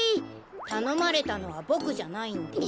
たのまれたのはボクじゃないんで。